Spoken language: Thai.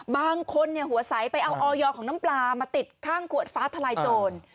บางคนหัวใสไปเอาออยของน้ำปลามาติดข้างขวดฟ้าทลายโจร